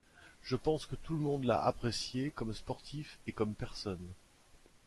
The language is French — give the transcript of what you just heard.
Je pense que tout le monde l'a apprécié, comme sportif et comme personne.